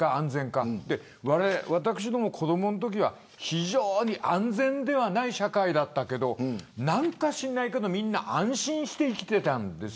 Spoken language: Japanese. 私ども子どものときは非常に安全ではない社会だったけど何か知らないけどみんな安心して生きてたんです。